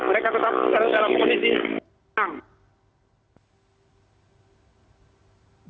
mereka tetap berada dalam kondisi tenang